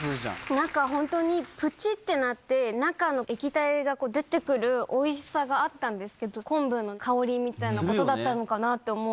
なんか、本当にぷちっとなって、中の液体が出てくるおいしさがあったんですけど、昆布の香りみたいなことだったのかなと思う。